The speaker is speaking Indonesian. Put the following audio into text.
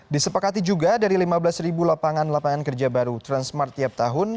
di sepakati juga dari lima belas ribu lapangan lapangan kerja baru transmart tiap tahun